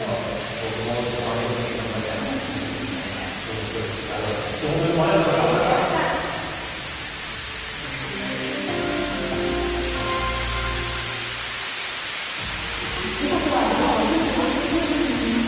僕も負けずに頑張りたいなと思っております。